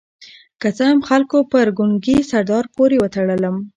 که څه هم خلکو پر ګونګي سردار پورې وتړلم.